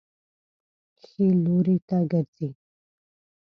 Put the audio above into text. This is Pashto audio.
ښي لوري ته ګرځئ